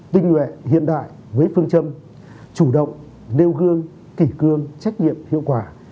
tinh nguyện hiện đại với phương châm chủ động nêu gương kỷ cương trách nhiệm hiệu quả